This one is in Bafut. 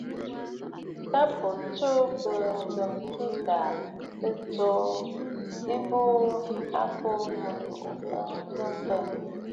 Tâ bo tsuu bə̂ a njɨ̀m ɨ kɨ ghàà, ɨ tsuu ɨbùꞌù a mbo mɨ̀lùꞌù ɨ kɨɨ bə.